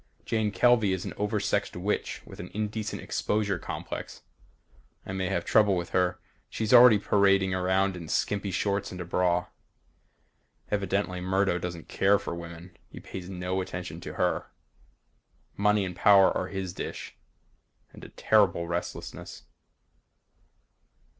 Jane Kelvey is an oversexed witch with an indecent exposure complex. I may have trouble with her. Already she's parading around in skimpy shorts and a bra. Evidently Murdo doesn't care for women. He pays no attention to her. Money and power are his dish. And a terrible restlessness.